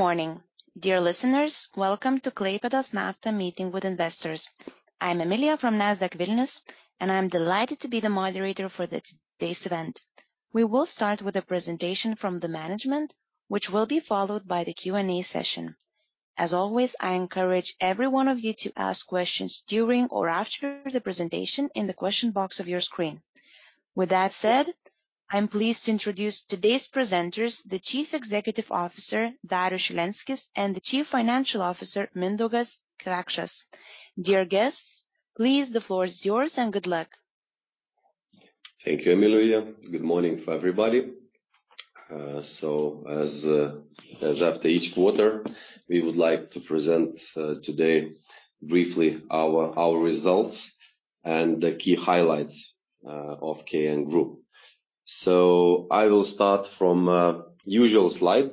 Good morning, dear listeners. Welcome to Klaipėdos Nafta Meeting with Investors. I'm Emilija from Nasdaq Vilnius, and I'm delighted to be the moderator for today's event. We will start with a presentation from the management, which will be followed by the Q&A session. As always, I encourage every one of you to ask questions during or after the presentation in the question box of your screen. With that said, I'm pleased to introduce today's presenters, the Chief Executive Officer, Darius Šilenskis, and the Chief Financial Officer, Mindaugas Kvekšas. Dear guests, please, the floor is yours, and good luck. Thank you, Emilija. Good morning to everybody. After each quarter, we would like to present today briefly our results and the key highlights of KN Group. I will start from usual slide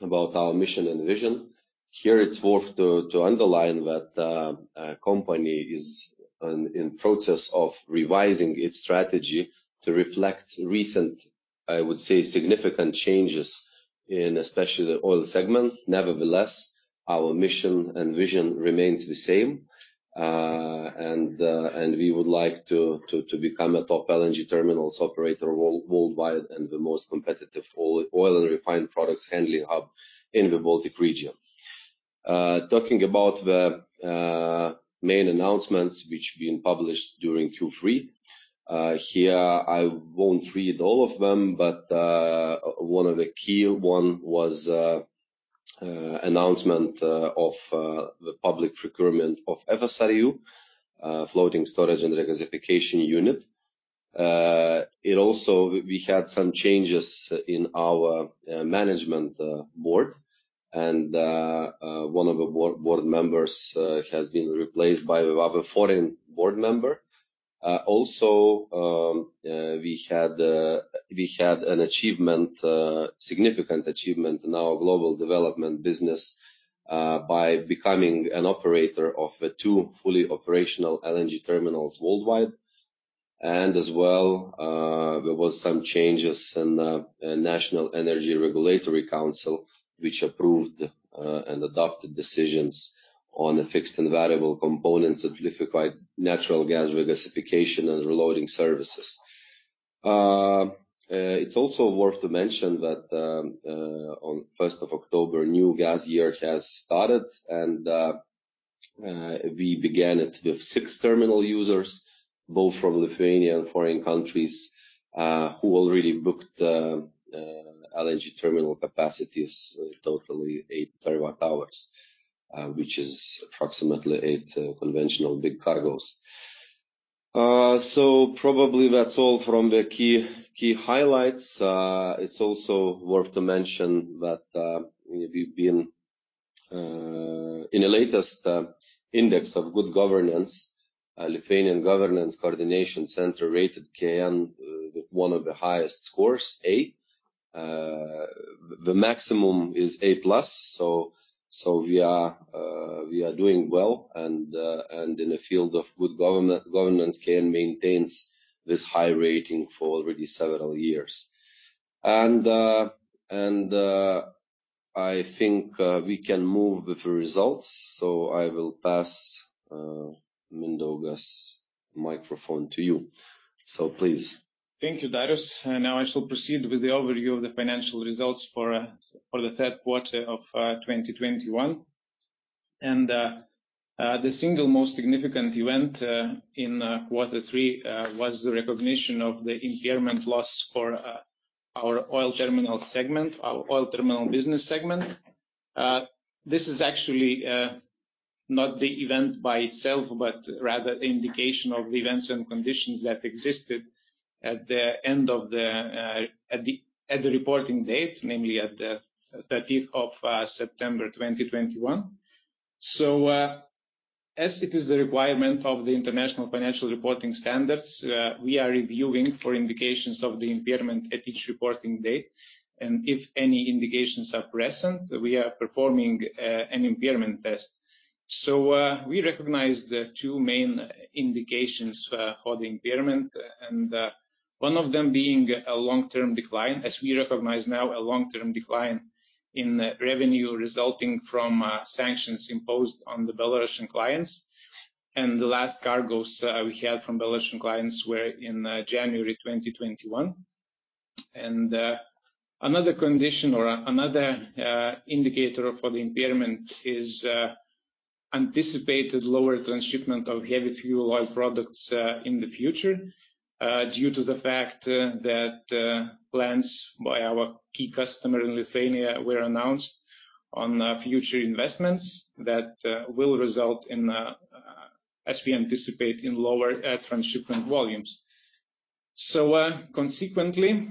about our mission and vision. Here it's worth to underline that our company is in process of revising its strategy to reflect recent, I would say, significant changes in especially the oil segment. Nevertheless, our mission and vision remains the same. And we would like to become a top LNG terminals operator worldwide and the most competitive oil and refined products handling hub in the Baltic region. Talking about the main announcements which have been published during Q3. Here, I won't read all of them, but one of the key one was announcement of the public procurement of FSRU, floating storage and regasification unit. We had some changes in our management board and one of the board members has been replaced by a foreign board member. Also, we had a significant achievement in our global development business by becoming an operator of two fully operational LNG terminals worldwide. As well, there was some changes in National Energy Regulatory Council, which approved and adopted decisions on the fixed and variable components of liquefied natural gas regasification and reloading services. It's also worth to mention that on first of October, new gas year has started and we began it with six terminal users, both from Lithuania and foreign countries who already booked LNG terminal capacities, total of 8 TWh, which is approximately eight conventional big cargos. Probably that's all from the key highlights. It's also worth to mention that we've been in the latest index of good governance. Lithuanian Governance Coordination Centre rated KN with one of the highest scores, A. The maximum is A+, so we are doing well and in the field of good governance, KN maintains this high rating for already several years. I think we can move with the results. I will pass Mindaugas microphone to you. Please. Thank you, Darius. Now, I shall proceed with the overview of the financial results for the Q3 of 2021. The single most significant event in Q3 was the recognition of the impairment loss for our oil terminal segment, our oil terminal business segment. This is actually not the event by itself, but rather the indication of events and conditions that existed at the end of the reporting date, namely at the 13th of September 2021. As it is the requirement of the International Financial Reporting Standards, we are reviewing for indications of the impairment at each reporting date, and if any indications are present, we are performing an impairment test. We recognize the two main indications for the impairment, and one of them being a long-term decline as we recognize now a long-term decline in revenue resulting from sanctions imposed on the Belarusian clients. The last cargos we had from Belarusian clients were in January 2021. Another condition or another indicator for the impairment is anticipated lower transshipment of heavy fuel oil products in the future due to the fact that plans by our key customer in Lithuania were announced on future investments that will result in, as we anticipate, in lower transshipment volumes. Consequently,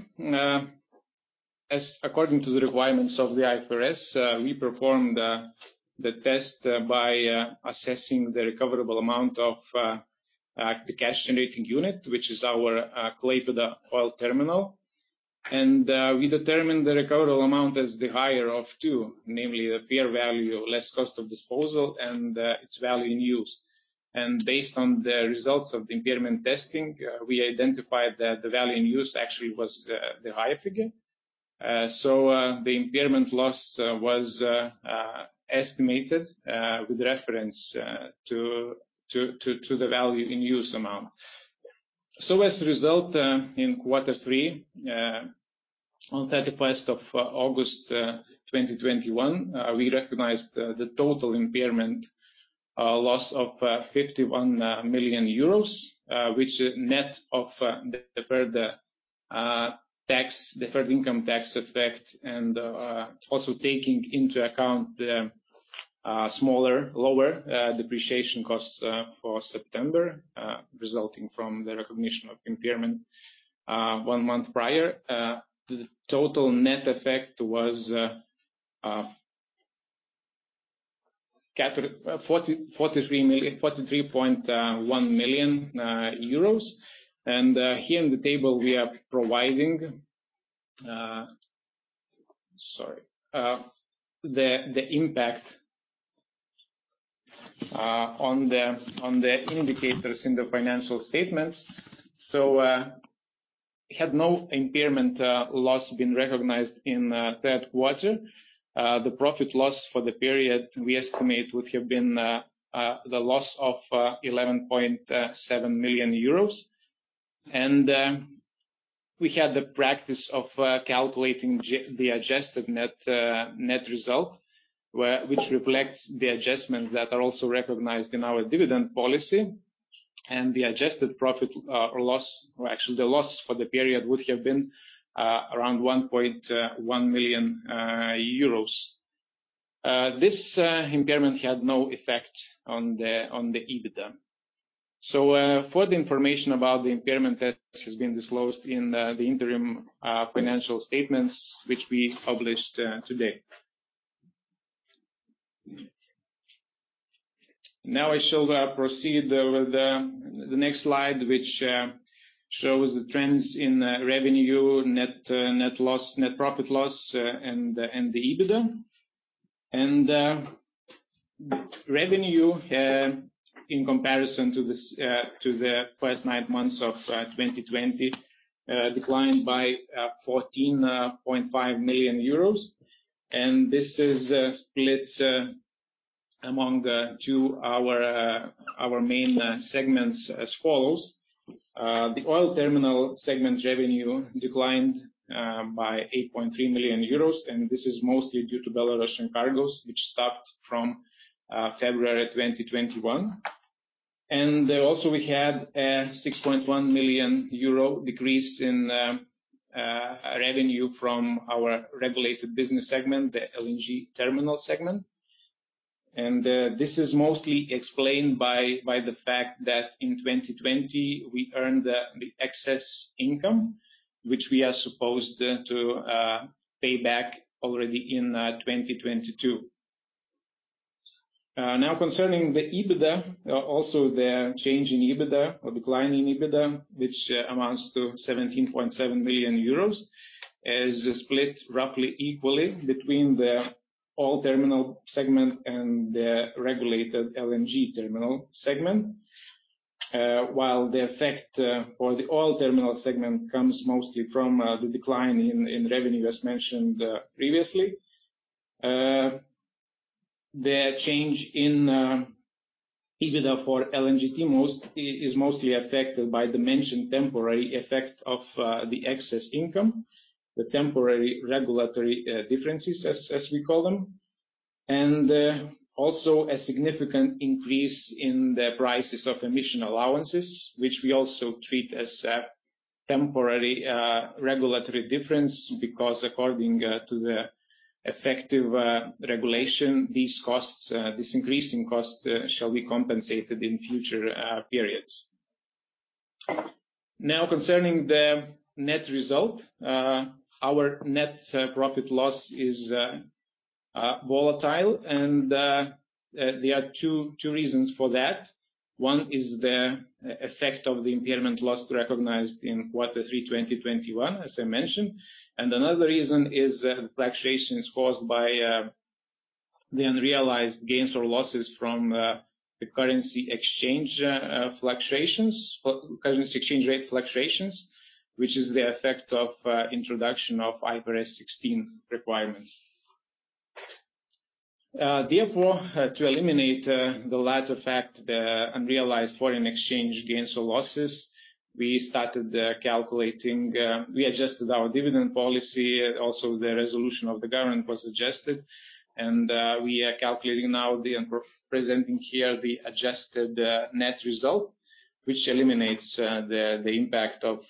according to the requirements of the IFRS, we performed the test by assessing the recoverable amount of the cash generating unit, which is our Klaipėda oil terminal. We determined the recoverable amount as the higher of two, namely the fair value less costs of disposal and its value in use. Based on the results of the impairment testing, we identified that the value in use actually was the higher figure. The impairment loss was estimated with reference to the value in use amount. As a result, in Q3, on 31st of August 2021, we recognized the total impairment loss of 51 million euros, which net of deferred income tax effect and also taking into account the lower depreciation costs for September resulting from the recognition of impairment one month prior. The total net effect was 43.1 million euros. Here in the table we are providing, sorry, the impact on the indicators in the financial statements. Had no impairment loss been recognized in that quarter, the profit or loss for the period we estimate would have been the loss of 11.7 million euros. We had the practice of calculating the adjusted net result, which reflects the adjustments that are also recognized in our dividend policy. The adjusted profit or loss or actually the loss for the period would have been around 1.1 million euros. This impairment had no effect on the EBITDA. Full information about the impairment test has been disclosed in the interim financial statements which we published today. Now I shall proceed with the next slide, which shows the trends in revenue, net loss, net profit loss, and the EBITDA. Revenue in comparison to the first nine months of 2020 declined by 14.5 million euros. This is split among two of our main segments as follows. The oil terminal segment revenue declined by 8.3 million euros, and this is mostly due to Belarusian cargoes, which stopped from February 2021. We also had a 6.1 million euro decrease in revenue from our regulated business segment, the LNG terminal segment. This is mostly explained by the fact that in 2020 we earned the excess income which we are supposed to pay back already in 2022. Now, concerning the EBITDA, also the change in EBITDA or decline in EBITDA, which amounts to 17.7 million euros, is split roughly equally between the oil terminal segment and the regulated LNG terminal segment. While the effect for the oil terminal segment comes mostly from the decline in revenue, as mentioned previously. The change in EBITDA for LNGT is mostly affected by the mentioned temporary effect of the excess income, the temporary regulatory differences as we call them. Also a significant increase in the prices of emission allowances, which we also treat as a temporary regulatory difference, because according to the effective regulation, these costs, this increase in cost, shall be compensated in future periods. Now concerning the net result, our net profit loss is volatile. There are two reasons for that. One is the effect of the impairment loss recognized in Q3 2021, as I mentioned. Another reason is fluctuations caused by the unrealized gains or losses from the currency exchange fluctuations, or currency exchange rate fluctuations, which is the effect of introduction of IFRS 16 requirements. Therefore, to eliminate the latter fact, the unrealized foreign exchange gains or losses, we adjusted our dividend policy. Also, the resolution of the government was adjusted and we are calculating now and presenting here the adjusted net result, which eliminates the impact of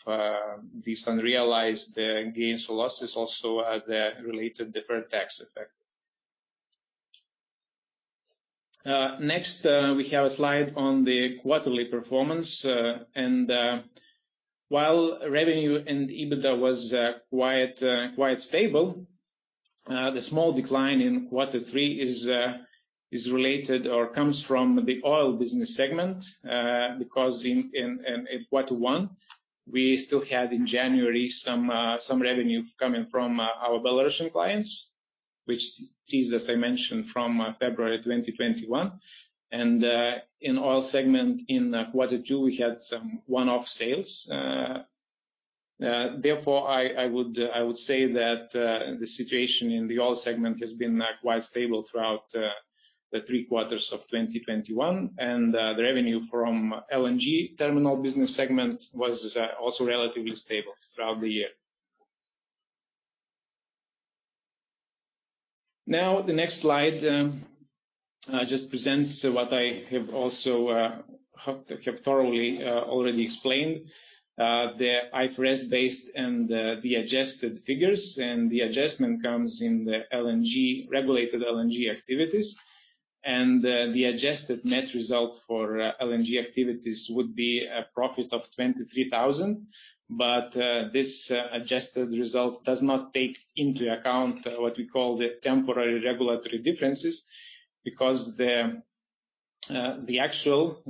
these unrealized gains or losses, also the related deferred tax effect. Next, we have a slide on the quarterly performance. While revenue and EBITDA was quite stable, the small decline in Q3 is related or comes from the oil business segment. Because in Q1, we still had in January some revenue coming from our Belarusian clients, which ceased, as I mentioned, from February 2021. In oil segment in Q2, we had some one-off sales. Therefore, I would say that the situation in the oil segment has been quite stable throughout the three quarters of 2021. The revenue from LNG terminal business segment was also relatively stable throughout the year. Now, the next slide just presents what I have also thoroughly already explained. The IFRS based and the adjusted figures, and the adjustment comes in the LNG regulated LNG activities. The adjusted net result for LNG activities would be a profit of 23 thousand. This adjusted result does not take into account what we call the temporary regulatory differences. The actual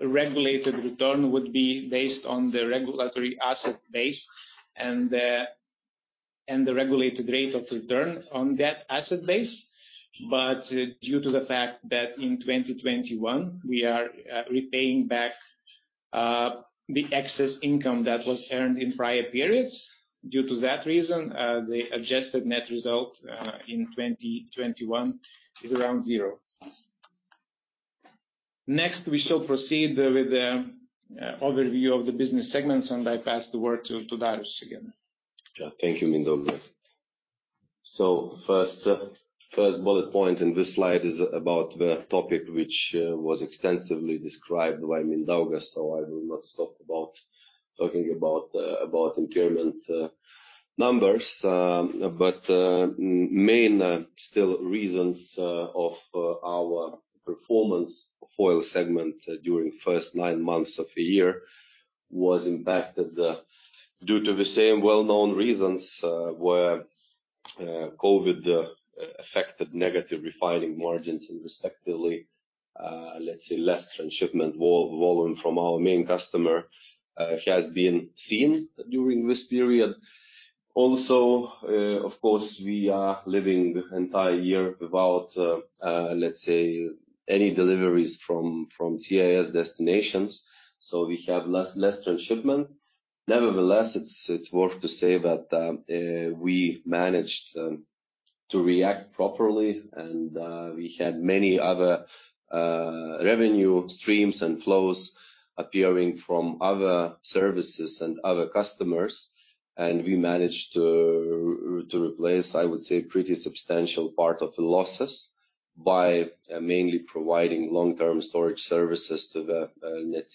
regulated return would be based on the regulatory asset base and the regulated rate of return on that asset base. Due to the fact that in 2021, we are repaying back the excess income that was earned in prior periods. Due to that reason, the adjusted net result in 2021 is around zero. Next, we shall proceed with the overview of the business segments, and I pass the word to Darius again. Yeah. Thank you, Mindaugas. First bullet point in this slide is about the topic which was extensively described by Mindaugas, so I will not talk about impairment numbers. But main still reasons of our performance Oil segment during first nine months of the year was impacted due to the same well-known reasons where COVID affected negative refining margins and respectively let's say less transshipment volume from our main customer has been seen during this period. Also of course we are living the entire year without let's say any deliveries from CIS destinations so we have less transshipment. Nevertheless, it's worth to say that we managed to react properly, and we had many other revenue streams and flows appearing from other services and other customers. We managed to replace, I would say, pretty substantial part of the losses by mainly providing long-term storage services to the,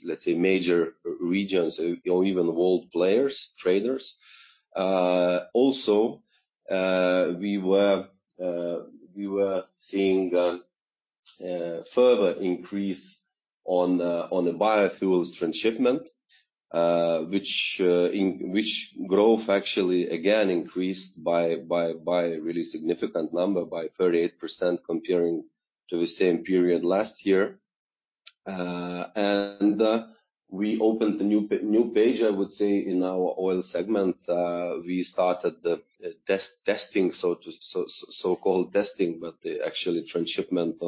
let's say major regions or even world players, traders. Also, we were seeing further increase on the biofuels transshipment, which growth actually again increased by a really significant number, by 38% comparing to the same period last year. We opened a new page, I would say, in our oil segment. We started the so-called testing, but actually transshipment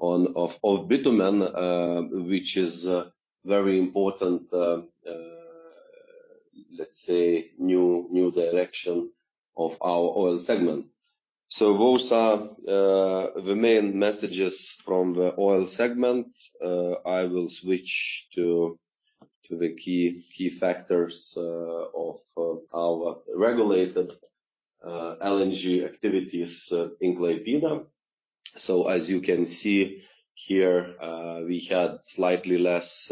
of bitumen, which is a very important, let's say, new direction of our oil segment. Those are the main messages from the oil segment. I will switch to the key factors of our regulated LNG activities in Klaipėda. As you can see here, we had slightly less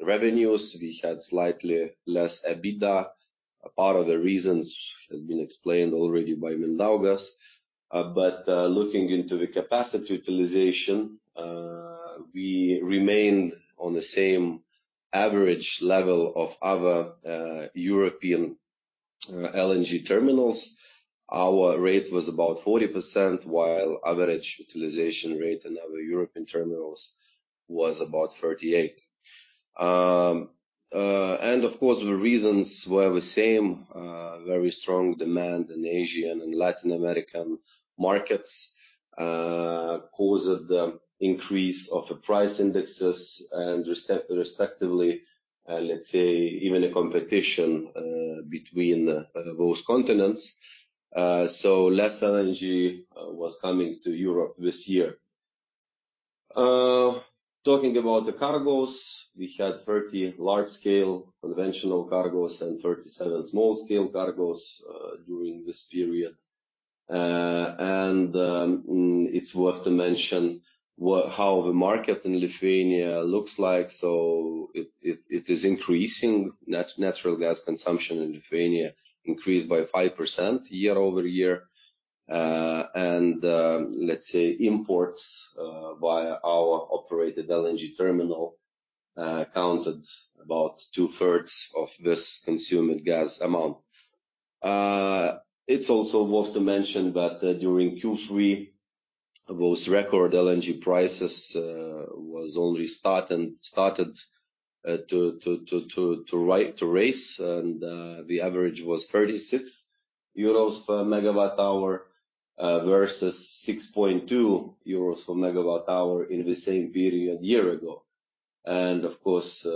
revenues. We had slightly less EBITDA. A part of the reasons have been explained already by Mindaugas. Looking into the capacity utilization, we remained on the same average level of other European LNG terminals. Our rate was about 40%, while average utilization rate in other European terminals was about 38%. Of course, the reasons were the same. Very strong demand in Asian and Latin American markets caused the increase of the price indexes and respectively, let's say even a competition between those continents. Less LNG was coming to Europe this year. Talking about the cargoes, we had 30 large-scale conventional cargoes and 37 small-scale cargoes during this period. It's worth to mention how the market in Lithuania looks like. It is increasing. Natural gas consumption in Lithuania increased by 5% year-over-year. Imports via our operated LNG terminal accounted about 2/3 of this consumed gas amount. It's also worth to mention that during Q3 those record LNG prices was only start and started to rise. The average was 36 euros per megawatt hour versus 6.2 euros per megawatt hour in the same period year ago. Of course,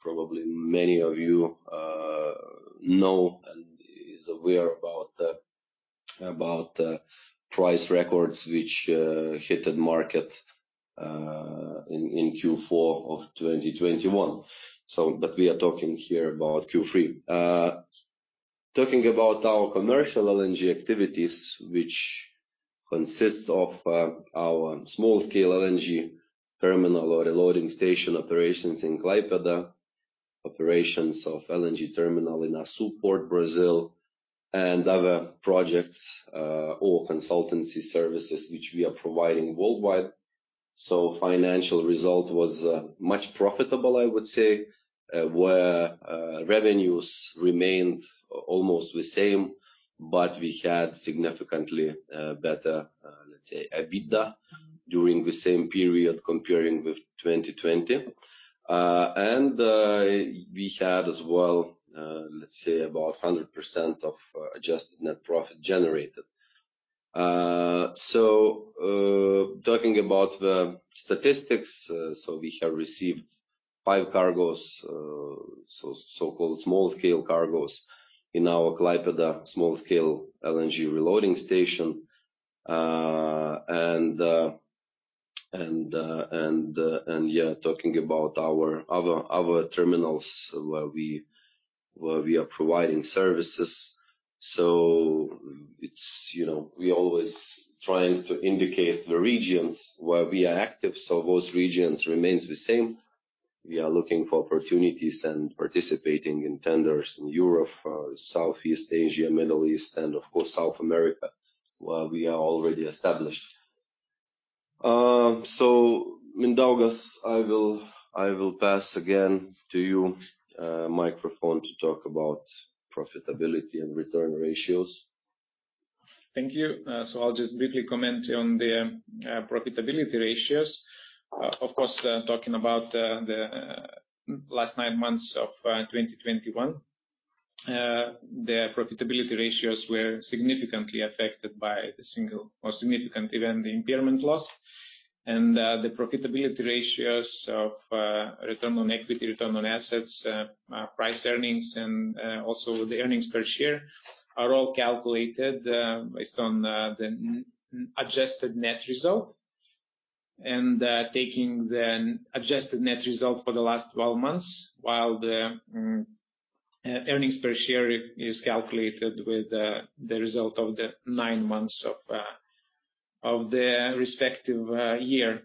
probably many of you know and are aware about the price records which hit the market in Q4 of 2021. We are talking here about Q3. Talking about our commercial LNG activities, which consists of our small scale LNG terminal or reloading station operations in Klaipėda, operations of LNG terminal in Açu Port, Brazil, and other projects or consultancy services which we are providing worldwide. Financial result was much profitable, I would say, where revenues remained almost the same, but we had significantly better, let's say, EBITDA during the same period comparing with 2020. We had as well, let's say about 100% of adjusted net profit generated. Talking about the statistics, we have received five cargos, so-called small scale cargos in our Klaipėda small scale LNG reloading station, talking about our other terminals where we are providing services. We always trying to indicate the regions where we are active, those regions remains the same. We are looking for opportunities and participating in tenders in Europe, Southeast Asia, Middle East, and of course, South America, where we are already established. Mindaugas, I will pass again to you microphone to talk about profitability and return ratios. Thank you. I'll just briefly comment on the profitability ratios. Of course, talking about the last nine months of 2021. The profitability ratios were significantly affected by the single most significant event, the impairment loss. The profitability ratios of return on equity, return on assets, price earnings and also the earnings per share are all calculated based on the non-adjusted net result. Taking the adjusted net result for the last 12 months, while the earnings per share is calculated with the result of the nine months of the respective year.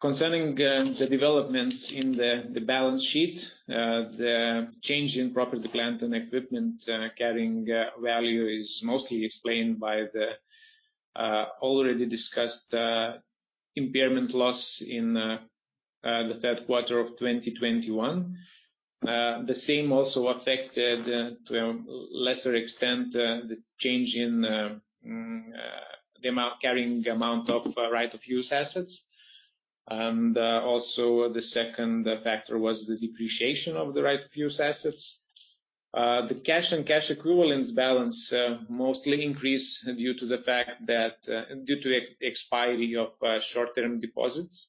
Concerning the developments in the balance sheet, the change in property, plant, and equipment carrying value is mostly explained by the already discussed impairment loss in the Q3 of 2021. The same also affected, to a lesser extent, the change in the carrying amount of right-of-use assets. Also, the second factor was the depreciation of the right-of-use assets. The cash and cash equivalents balance mostly increased due to the fact that due to expiring of short-term deposits.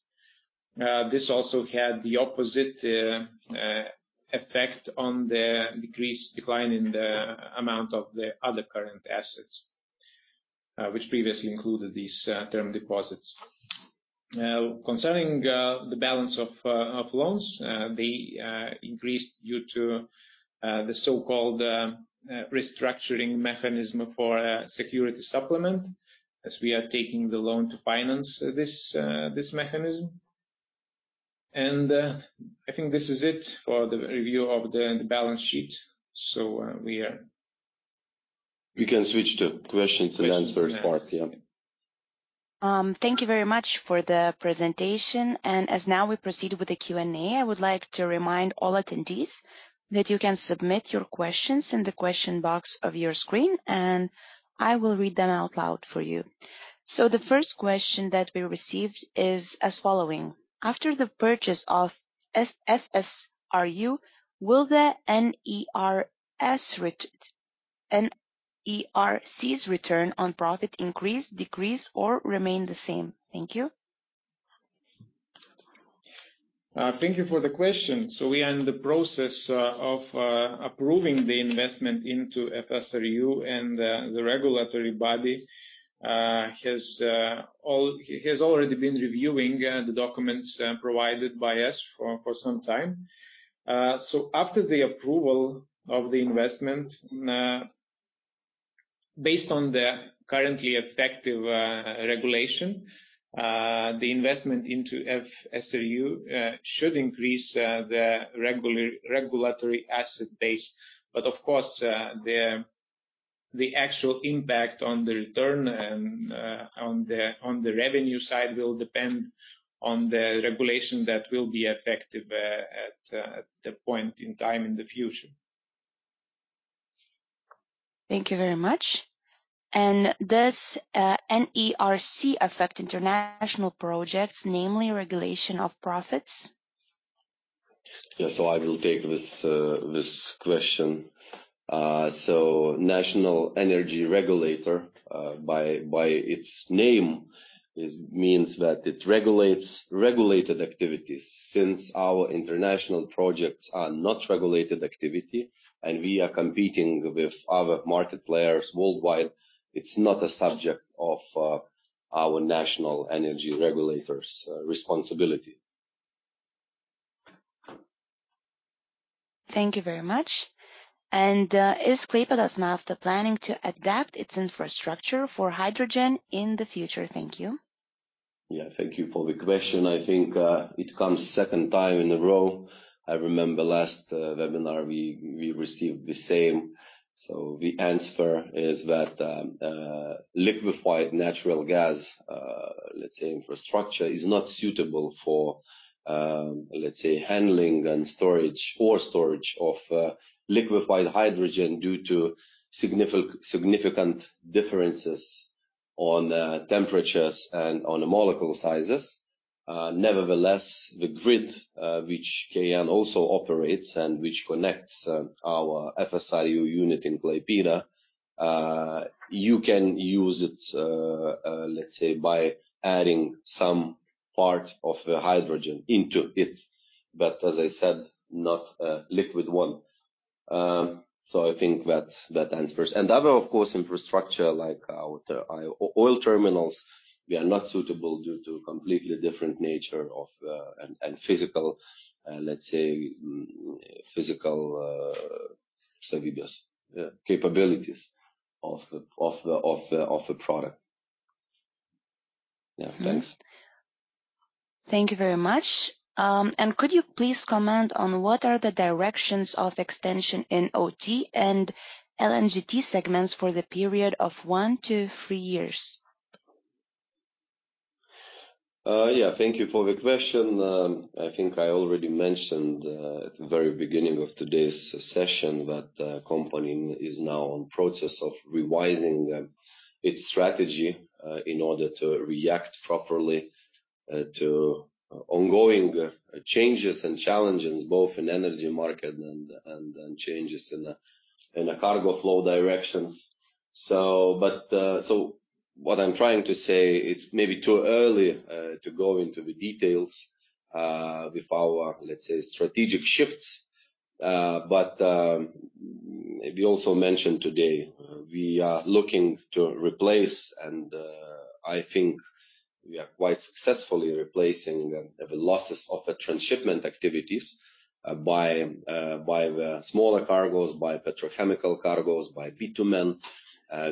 This also had the opposite effect on the decline in the amount of the other current assets, which previously included these term deposits. Concerning the balance of loans, they increased due to the so-called restructuring mechanism for a security supplement, as we are taking the loan to finance this mechanism. I think this is it for the review of the balance sheet. We can switch to questions and answers part, yeah. Thank you very much for the presentation. As now we proceed with the Q&A, I would like to remind all attendees that you can submit your questions in the question box of your screen, and I will read them out loud for you. The first question that we received is as following: After the purchase of FSRU, will the NERC's return on profit increase, decrease, or remain the same? Thank you. Thank you for the question. We are in the process of approving the investment into FSRU, and the regulatory body has already been reviewing the documents provided by us for some time. After the approval of the investment, based on the currently effective regulation, the investment into FSRU should increase the regulatory asset base. Of course, the actual impact on the return and on the revenue side will depend on the regulation that will be effective at the point in time in the future. Thank you very much. Does NERC affect international projects, namely regulation of profits? Yeah. I will take this question. National Energy Regulatory Council by its name means that it regulates regulated activities. Since our international projects are not regulated activity and we are competing with other market players worldwide, it's not a subject of our National Energy Regulatory Council's responsibility. Thank you very much. Is Klaipėdos Nafta planning to adapt its infrastructure for hydrogen in the future? Thank you. Thank you for the question. I think it comes second time in a row. I remember last webinar we received the same. The answer is that liquefied natural gas infrastructure is not suitable for handling and storage of liquefied hydrogen due to significant differences on temperatures and on molecule sizes. Nevertheless, the grid which KN also operates and which connects our FSRU unit in Klaipėda. You can use it by adding some part of the hydrogen into it. But as I said, not liquid one. I think that answers. Other infrastructure like our oil terminals, they are not suitable due to completely different nature of the physical, let's say, savybės, yeah, capabilities of the product. Yeah. Thanks. Thank you very much. Could you please comment on what are the directions of extension in OT and LNGT segments for the period of one to three years? Yeah. Thank you for the question. I think I already mentioned at the very beginning of today's session that the company is now in process of revising its strategy in order to react properly to ongoing changes and challenges both in energy market and changes in the cargo flow directions. What I'm trying to say, it's maybe too early to go into the details with our, let's say, strategic shifts. But we also mentioned today, we are looking to replace and I think we are quite successfully replacing the losses of the transshipment activities by the smaller cargos, by petrochemical cargos, by bitumen.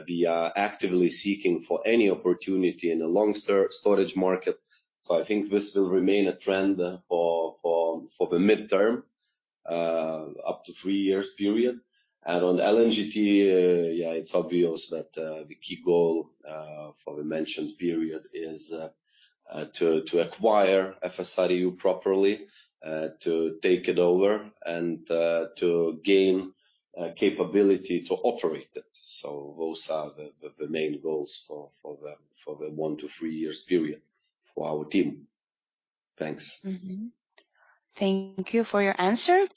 We are actively seeking for any opportunity in the long storage market. I think this will remain a trend for the midterm, up to three years period. On LNGT, it's obvious that the key goal for the mentioned period is to acquire FSRU properly, to take it over and to gain capability to operate it. Those are the main goals for the one to three years period for our team. Thanks. Mm-hmm. Thank you for your answer.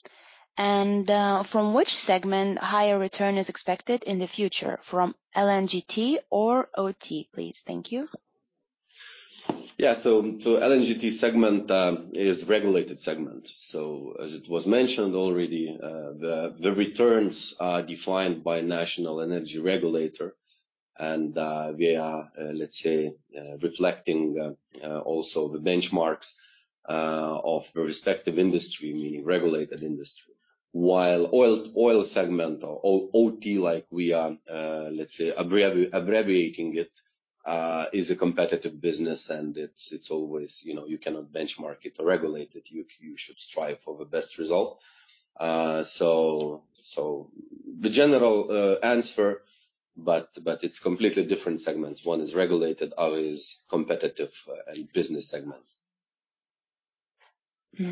From which segment higher return is expected in the future, from LNGT or OT, please? Thank you. LNGT segment is regulated segment. As it was mentioned already, the returns are defined by National Energy Regulatory Council. We are let's say reflecting also the benchmarks of the respective industry, meaning regulated industry. While oil segment or OT like we are let's say abbreviating it is a competitive business and it's always, you know, you cannot benchmark it or regulate it. You should strive for the best result. The general answer is it's completely different segments. One is regulated, other is competitive, and business segments. Thank you very much.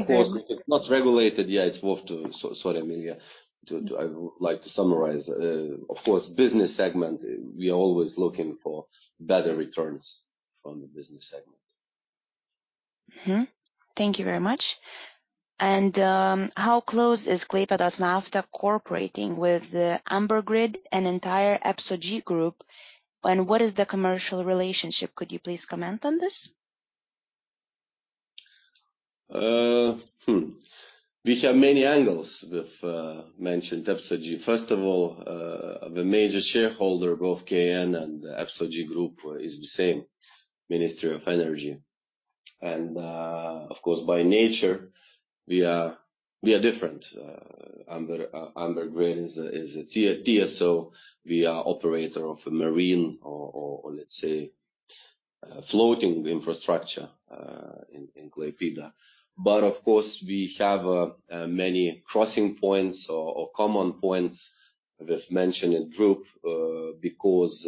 Of course if not regulated, yeah, it's worth to. Sorry, Emilija. I would like to summarize. Of course, business segment, we are always looking for better returns from the business segment. Thank you very much. How close is Klaipėdos Nafta cooperating with the Amber Grid and entire EPSO-G group, and what is the commercial relationship? Could you please comment on this? We have many angles with mentioned EPSO-G. First of all, the major shareholder of both KN and EPSO-G group is the same, Ministry of Energy. Of course, by nature we are different. Amber Grid is a TSO. We are operator of a marine or let's say floating infrastructure in Klaipėda. Of course we have many crossing points or common points with mentioned group because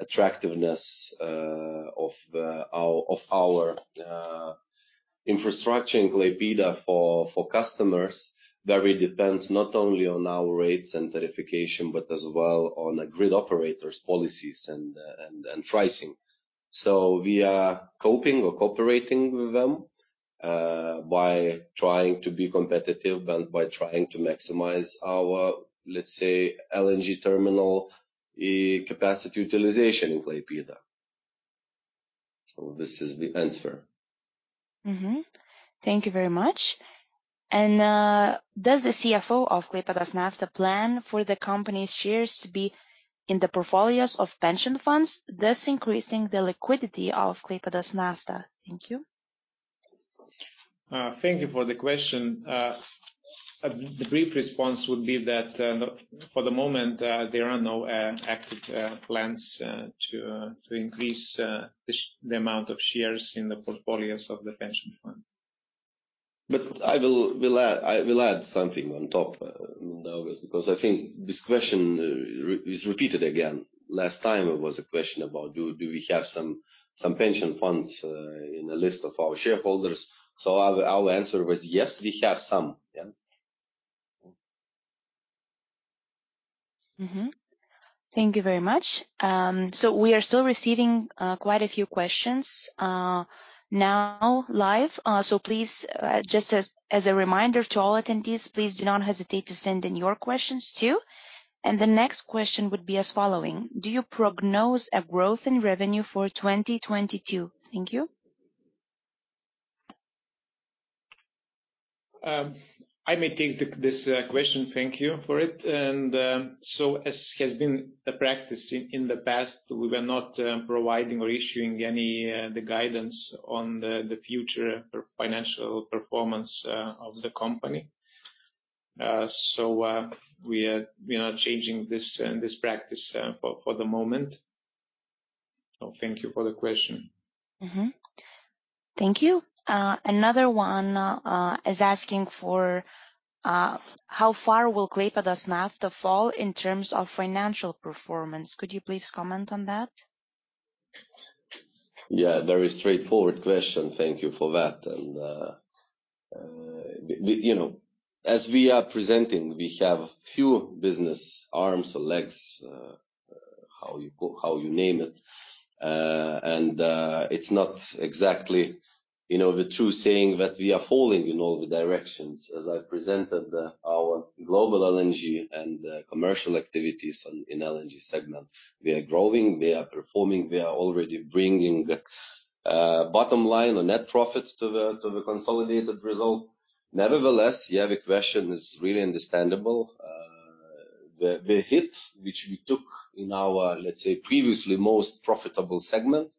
attractiveness of our infrastructure in Klaipėda for customers very much depends not only on our rates and tarification, but as well on the grid operators policies and pricing. We are coping or cooperating with them, by trying to be competitive and by trying to maximize our, let's say, LNG terminal, capacity utilization in Klaipėda. This is the answer. Thank you very much. Does the CFO of Klaipėdos Nafta plan for the company's shares to be in the portfolios of pension funds, thus increasing the liquidity of Klaipėdos Nafta? Thank you. Thank you for the question. The brief response would be that, for the moment, there are no active plans to increase the amount of shares in the portfolios of the pension funds. I will add something on top, Mindaugas. Because I think this question is repeated again. Last time it was a question about do we have some pension funds in the list of our shareholders. Our answer was, yes, we have some. Yeah. Thank you very much. So we are still receiving quite a few questions now live. So please, just as a reminder to all attendees, please do not hesitate to send in your questions too. The next question would be as follows: Do you forecast a growth in revenue for 2022? Thank you. I may take this question. Thank you for it. As has been the practice in the past, we were not providing or issuing any guidance on the future financial performance of the company. We are not changing this practice for the moment. Thank you for the question. Thank you. Another one is asking for: How far will Klaipėdos Nafta fall in terms of financial performance? Could you please comment on that? Yeah. Very straightforward question. Thank you for that. You know, as we are presenting, we have few business arms or legs, how you name it. It's not exactly, you know, the true saying that we are falling in all the directions. As I presented, our global LNG and commercial activities in LNG segment, we are growing, we are performing, we are already bringing bottom line or net profits to the consolidated result. Nevertheless, yeah, the question is really understandable. The hit which we took in our, let's say, previously most profitable segment,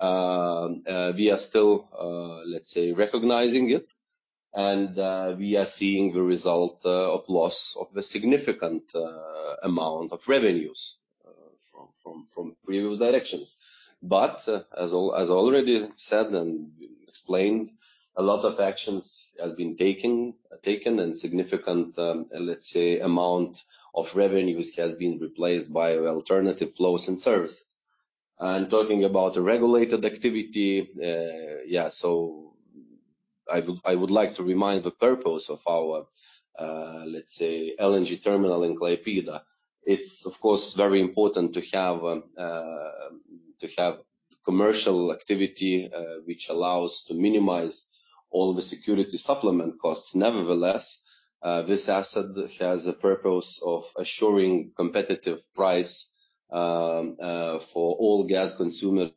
we are still, let's say, recognizing it. We are seeing the result of loss of a significant amount of revenues from previous directions. As already said and explained, a lot of actions has been taken, and significant, let's say, amount of revenues has been replaced by alternative flows and services. Talking about the regulated activity, I would like to remind the purpose of our, let's say, LNG terminal in Klaipėda. It's of course very important to have commercial activity which allows to minimize all the security supplement costs. Nevertheless, this asset has a purpose of assuring competitive price for all gas consumers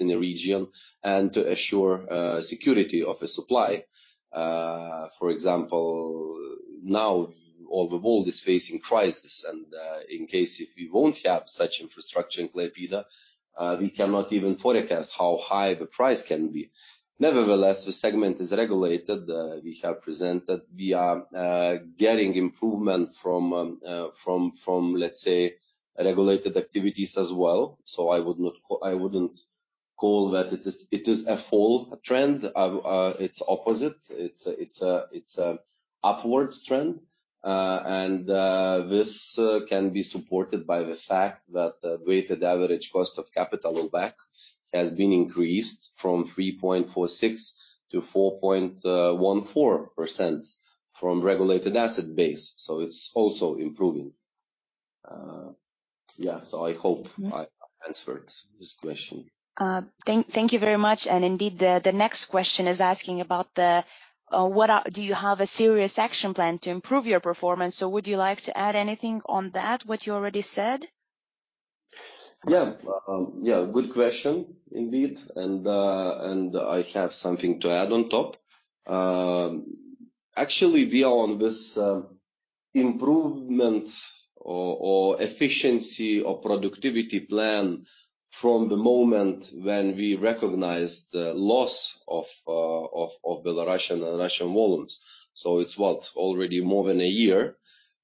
in the region and to assure security of the supply. For example, now all the world is facing crisis, and in case if we won't have such infrastructure in Klaipėda, we cannot even forecast how high the price can be. Nevertheless, the segment is regulated. We are getting improvement from regulated activities as well. I wouldn't call that it is a fall trend. It's opposite. It's an upwards trend. This can be supported by the fact that the weighted average cost of capital or WACC has been increased from 3.46% to 4.14% from regulatory asset base. It's also improving. Yeah. I hope I answered this question. Thank you very much. Indeed, the next question is asking about, do you have a serious action plan to improve your performance? Would you like to add anything on that, what you already said? Yeah, good question indeed. I have something to add on top. Actually, we are on this improvement or efficiency or productivity plan from the moment when we recognized the loss of Belarusian and Russian volumes. It's what? Already more than a year.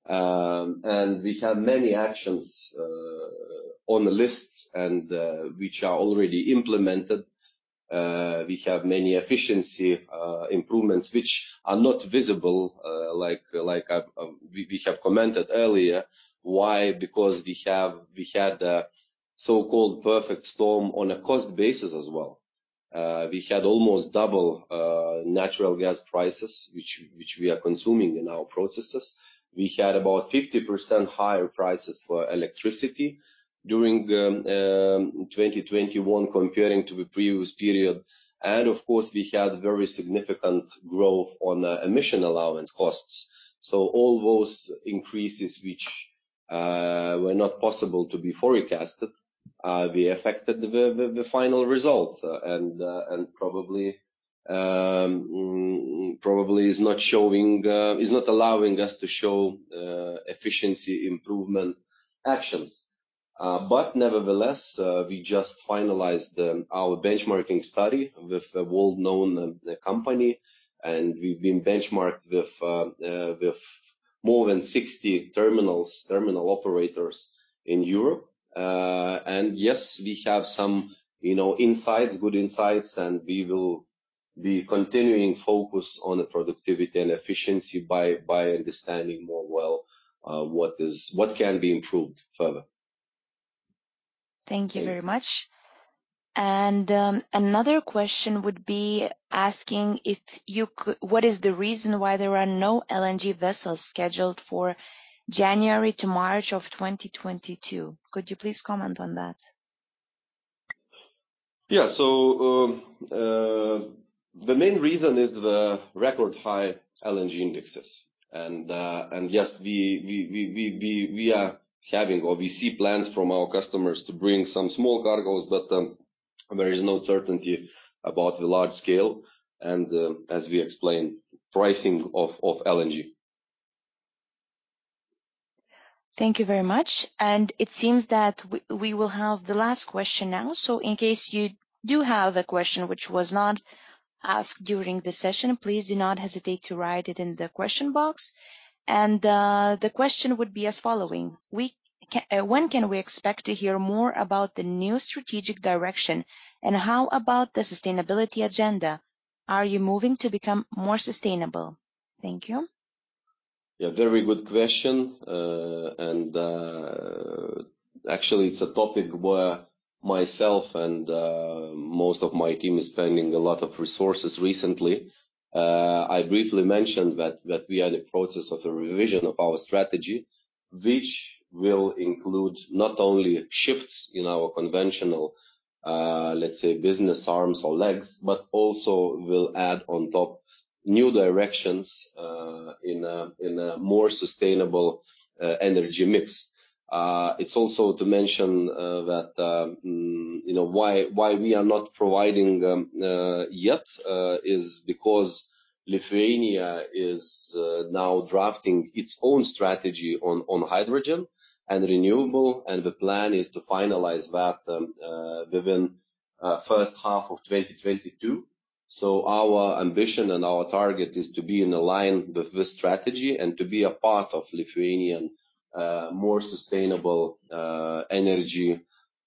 We have many actions on the list which are already implemented. We have many efficiency improvements which are not visible, like we've commented earlier. Why? Because we had a so-called perfect storm on a cost basis as well. We had almost double natural gas prices which we are consuming in our processes. We had about 50% higher prices for electricity during 2021 comparing to the previous period. Of course, we had very significant growth on emission allowance costs. All those increases which were not possible to be forecasted we affected the final result. Probably is not allowing us to show efficiency improvement actions. But nevertheless, we just finalized our benchmarking study with a world-known company, and we've been benchmarked with more than 60 terminals, terminal operators in Europe. Yes, we have some, you know, good insights, and we will be continuing focus on productivity and efficiency by understanding more well what can be improved further. Thank you very much. Another question. What is the reason why there are no LNG vessels scheduled for January to March of 2022? Could you please comment on that? Yeah. The main reason is the record high LNG indexes. Yes, we see plans from our customers to bring some small cargos, but there is no certainty about the large scale and the, as we explained, pricing of LNG. Thank you very much. It seems that we will have the last question now. In case you do have a question which was not asked during the session, please do not hesitate to write it in the question box. The question would be as following: When can we expect to hear more about the new strategic direction, and how about the sustainability agenda? Are you moving to become more sustainable? Thank you. Yeah, very good question. Actually, it's a topic where myself and most of my team is spending a lot of resources recently. I briefly mentioned that we are in the process of a revision of our strategy, which will include not only shifts in our conventional, let's say, business arms or legs, but also will add on top new directions in a more sustainable energy mix. It's also to mention that you know why we are not providing yet is because Lithuania is now drafting its own strategy on hydrogen and renewable, and the plan is to finalize that within H1 of 2022. Our ambition and our target is to be in alignment with this strategy and to be a part of Lithuanian more sustainable energy,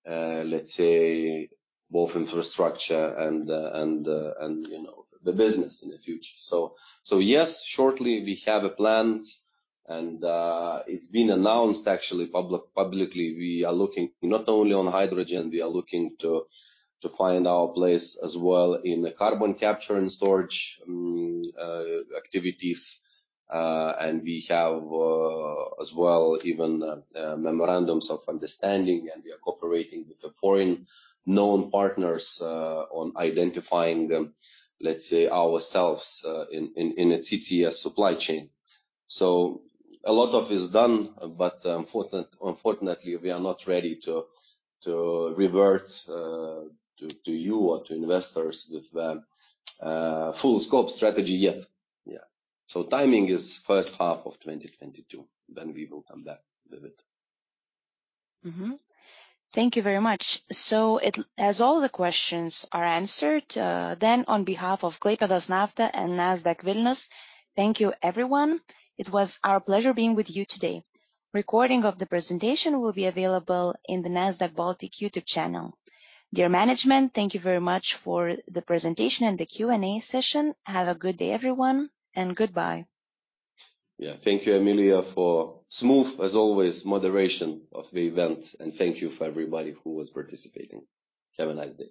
let's say, both infrastructure and you know, the business in the future. Yes, shortly we have a plan, and it's been announced actually publicly. We are looking not only on hydrogen, we are looking to find our place as well in carbon capture and storage activities. And we have as well even memorandums of understanding, and we are cooperating with the well-known foreign partners on identifying let's say ourselves in a CCS supply chain. A lot is done, but unfortunately, we are not ready to revert to you or to investors with the full scope strategy yet. Yeah. Timing is H1 of 2022, then we will come back with it. Thank you very much. As all the questions are answered, then on behalf of Klaipėdos Nafta and Nasdaq Vilnius, thank you, everyone. It was our pleasure being with you today. Recording of the presentation will be available in the Nasdaq Baltic YouTube channel. Dear management, thank you very much for the presentation and the Q&A session. Have a good day, everyone, and goodbye. Yeah. Thank you, Emilija, for smooth as always moderation of the event. Thank you for everybody who was participating. Have a nice day.